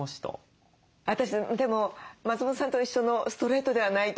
私でも松本さんと一緒のストレートではないと。